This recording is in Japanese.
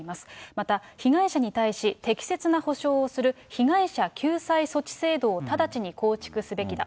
また被害者に対し、適切な補償をする被害者救済措置制度を直ちに構築すべきだ。